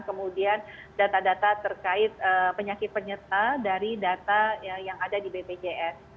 kemudian data data terkait penyakit penyerta dari data yang ada di bpjs